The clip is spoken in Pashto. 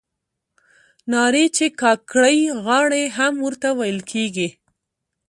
نارې چې کاکړۍ غاړې هم ورته ویل کیږي.